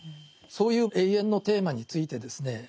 そういう永遠のテーマについてですね